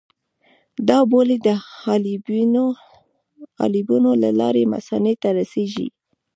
دا بولې د حالبینو له لارې مثانې ته رسېږي.